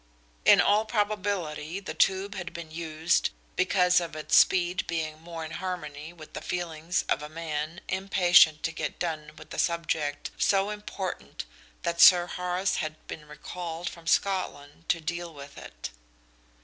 In all probability the Tube had been used because of its speed being more in harmony with the feelings of a man impatient to get done with a subject so important that Sir Horace had been recalled from Scotland to deal with it.